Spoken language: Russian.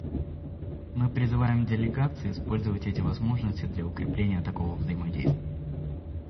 Мы призываем делегации использовать эти возможности для укрепления такого взаимодействия.